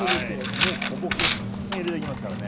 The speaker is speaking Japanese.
もう小ボケをたくさん入れてきますからね。